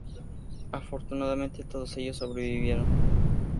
Afortunadamente, todos ellos sobrevivieron.